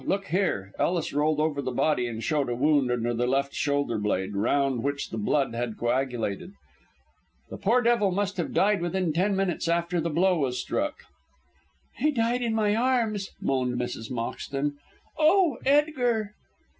Look here!" Ellis rolled over the body and showed a wound under the left shoulder blade, round which the blood had coagulated. "The poor devil must have died within ten minutes after the blow was struck." "He died in my arms," moaned Mrs. Moxton. "Oh, Edgar!"